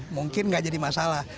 mungkin tidak jadi masalah